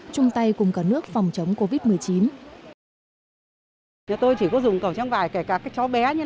chung tay cùng cả nước phòng chống covid một mươi chín